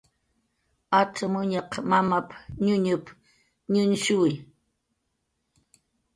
"Acxamuñaq mamap"" ñuñup"" ñuñshuwi "